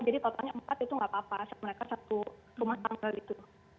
jadi totalnya empat itu tidak apa apa mereka satu rumah tanggal itu